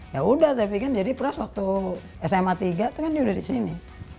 ya udah saya pikirin jadi pras waktu sma tiga itu kan dia udah di sini